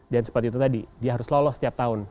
dan seperti itu tadi dia harus lolos setiap tahun